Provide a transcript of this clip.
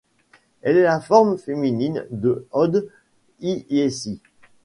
Elle est la forme féminine de Od iyesi.